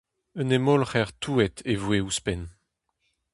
Un hemolc'her touet e voe ouzhpenn.